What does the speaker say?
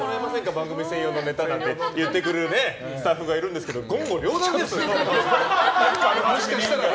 番組専用のネタなんて言ってくるスタッフがいるんですけど言語両断です。